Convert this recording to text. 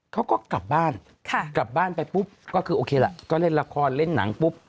เขาก็กลับบ้านกลับบ้านไปปุ๊บก็คือโอเคล่ะก็เล่นละครเล่นหนังปุ๊บ